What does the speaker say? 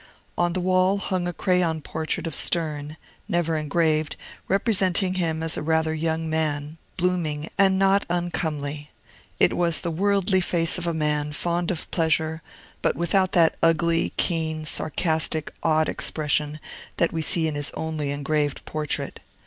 On the wall hung a crayon portrait of Sterne, never engraved, representing him as a rather young man, blooming, and not uncomely; it was the worldly face of a man fond of pleasure, but without that ugly, keen, sarcastic, odd expression that we see in his only engraved portrait.